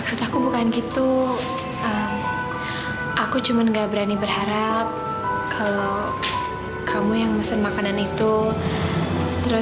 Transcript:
sampai jumpa di video selanjutnya